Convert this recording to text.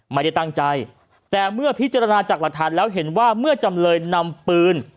ไม่ได้ตั้งใจแต่เมื่อพิจารณาจากหลักฐานแล้วเห็นว่าเมื่อจำเลยนำปืน